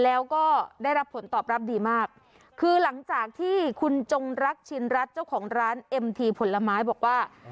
แล้วก็ได้รับผลตอบรับดีมากคือหลังจากที่คุณจงรักชินรัฐเจ้าของร้านเอ็มทีผลไม้บอกว่า